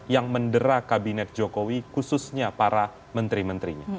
yang mendera kabinet jokowi khususnya para menteri menterinya